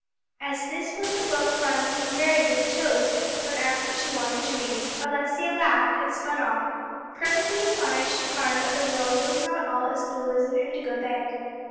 As this was the book Phronsie invariably chose when asked what she wanted read, Alexia laughed and spun off, perfectly astonished to find that the world was not all as blue as an indigo bag.